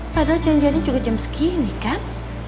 padahal janjiannya juga jam segini kan